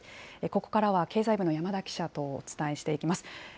ここからは経済部の山田記者とお伝えしていきます。